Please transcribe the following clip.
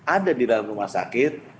ada di dalam rumah sakit